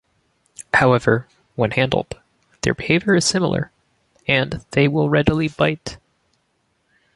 However, when handled, their behavior is similar, and they will readily bite.